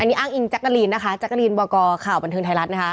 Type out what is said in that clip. อันนี้อ้างอิงแจ๊กกะลีนนะคะแจ๊กกะลีนวกข่าวบันเทิงไทยรัฐนะคะ